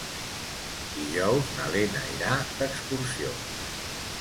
Dijous na Lena irà d'excursió.